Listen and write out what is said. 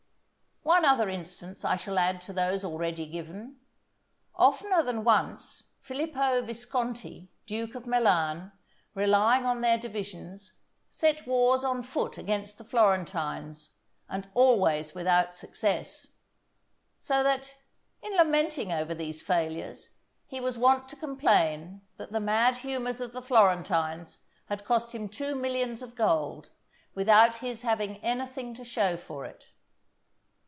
One other instance I shall add to those already given. Oftener than once Filippo Visconti, duke of Milan, relying on their divisions, set wars on foot against the Florentines, and always without success; so that, in lamenting over these failures, he was wont to complain that the mad humours of the Florentines had cost him two millions of gold, without his having anything to show for it.